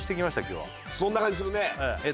今日はそんな感じするね